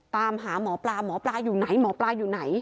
ตามหาหมอปลาหมอปลาอยู่ไหนหมอปลาอยู่ไหน